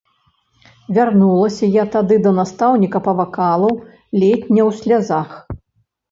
Вярнулася я тады да настаўніка па вакалу ледзь не ў слязах.